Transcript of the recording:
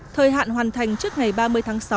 thời hạn hoàn thành trước ngày ba mươi tháng sáu